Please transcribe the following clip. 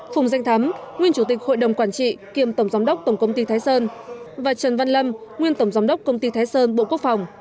phùng danh thắm nguyên chủ tịch hội đồng quản trị kiêm tổng giám đốc tổng công ty thái sơn và trần văn lâm nguyên tổng giám đốc công ty thái sơn bộ quốc phòng